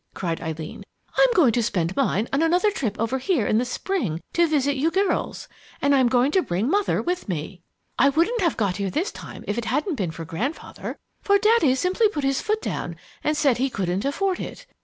cried Eileen. "I'm going to spend mine on another trip over here in the spring to visit you girls, and I'm going to bring mother with me. I wouldn't have got here this time if it hadn't been for Grandfather, for Daddy simply put his foot down and said he couldn't afford it.